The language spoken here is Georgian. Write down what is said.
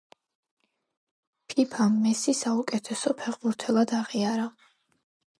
ფიფამ, მესი საუკეთესო ფეხბურთელად აღიარა.